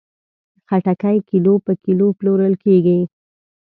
خټکی کیلو په کیلو پلورل کېږي.